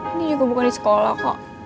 ini juga bukan di sekolah kok